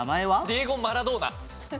ディエゴ・マラドーナ。